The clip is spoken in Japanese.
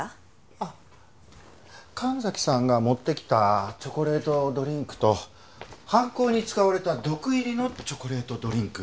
あっ神崎さんが持って来たチョコレートドリンクと犯行に使われた毒入りのチョコレートドリンク。